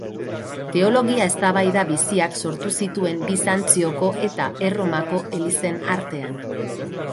Teologia-eztabaida biziak sortu zituen Bizantzioko eta Erromako elizen artean.